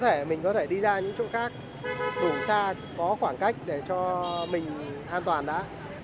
có thể mình có thể đi ra những chỗ khác đủ xa có khoảng cách để cho mình an toàn đã